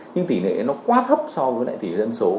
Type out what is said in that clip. nhưng tỉ nệ nó quá thấp so với lại tỉ dân số